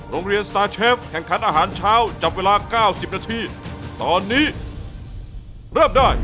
โรงเรียนสตาร์ทเชฟแข่งขัดอาหารเช้าจับเวลา๙๐นาทีตอนนี้เริ่มได้